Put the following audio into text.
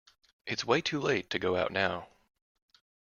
It's way too late to go out now.